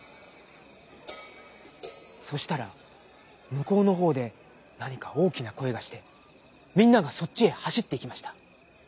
そしたらむこうのほうでなにかおおきなこえがしてみんながそっちへはしっていきました。